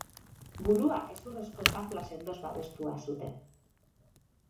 Burua hezurrezko xafla sendoz babestua zuten.